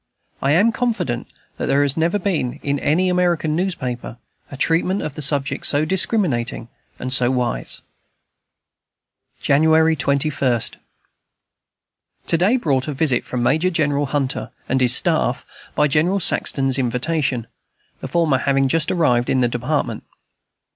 I am confident that there never has been, in any American newspaper, a treatment of the subject so discriminating and so wise. January 21. To day brought a visit from Major General Hunter and his staff, by General Saxton's invitation, the former having just arrived in the Department.